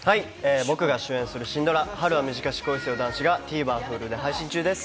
僕が主演する新ドラ『春は短し恋せよ男子。』がＴＶｅｒ、Ｈｕｌｕで配信中です。